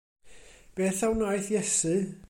Beth a wnaeth Iesu?